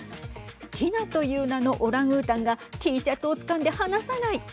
ティナという名のオランウータンがＴシャツをつかんで離さない。